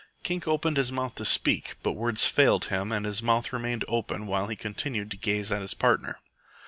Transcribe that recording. Kink opened his mouth to speak, but words failed him and his mouth remained open while he continued to gaze at his partner.